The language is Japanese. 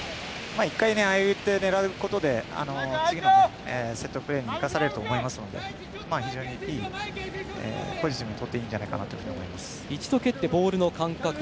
１回、ああやって狙うことで次のセットプレーに生かされると思うので非常にポジティブにとっていいんじゃないかと思います。